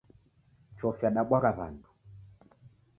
Chofi yadabwagha w'andu.